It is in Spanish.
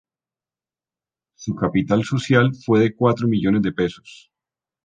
Su capital social fue de cuatro millones de pesos.